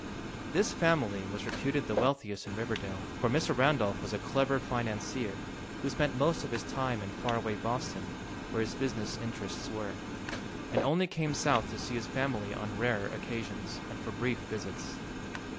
This family was reputed the wealthiest in Riverdale, for Mr. Randolph was a clever financier who spent most of his time in far away Boston, where his business interests were, and only came South to see his family on rare occasions and for brief visits.